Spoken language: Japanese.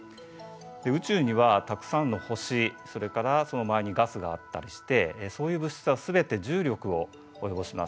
宇宙にはたくさんの星それからその周りにガスがあったりしてそういう物質はすべて重力を及ぼします。